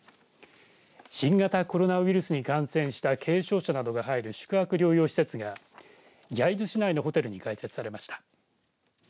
新型コロナウイルスに感染した軽症者などが入る宿泊療養施設が焼津市内のホテルに開設されました。